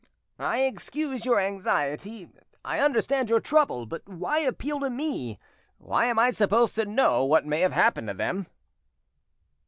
"I excuse your anxiety, I understand your trouble, but why appeal to me? Why am I supposed to know what may have happened to them?"